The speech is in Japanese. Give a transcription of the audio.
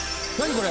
これ。